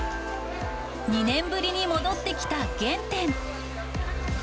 ２年ぶりに戻ってきた原点。